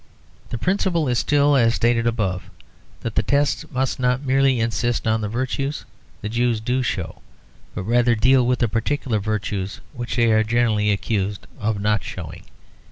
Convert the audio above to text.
The principle is still as stated above; that the tests must not merely insist on the virtues the Jews do show, but rather deal with the particular virtues which they are generally accused of not showing.